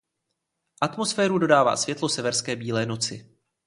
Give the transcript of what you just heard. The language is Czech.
Atmosféru dodává světlo severské bílé noci.